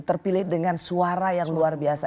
terpilih dengan suara yang luar biasa